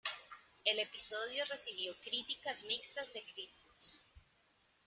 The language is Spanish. El episodio recibió críticas mixtas de críticos.